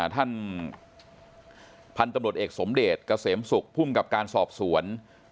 ท่านพันธุ์ตำรวจเอกสมเดชกเกษมสุขคลุมกับการสอบส่วนบุรี